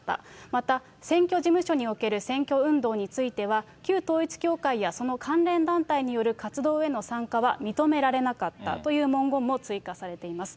また、選挙事務所における選挙運動については、旧統一教会やその関連団体による活動への参加は認められなかったという文言も追加されています。